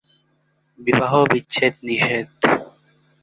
বিবাহ বিচ্ছেদ নিষেধ।